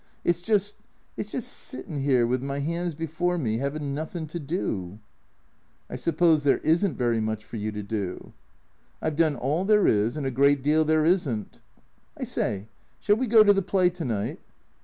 It 's just — it 's just sittin' here with me "ands before me, havin' nothing to do." " I suppose there is n't very much for you to do." " I 've done all there is and a great deal there is n't." " I say, shall we go to the play to night